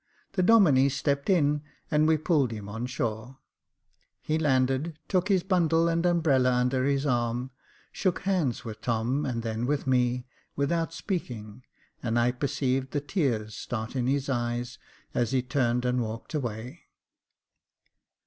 The Domine stepped in, and we pulled him on shore. He landed, took his bundle and umbrella under his arm, shook hands with Tom and then with me, without speaking, and I perceived the tears start in his eyes as he turned and walked away.